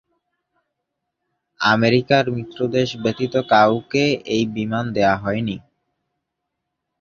আমেরিকার মিত্র দেশ ব্যতীত কাউকে এই বিমান দেয়া হয়নি।